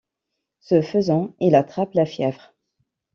Ce faisant, il attrape la fièvre.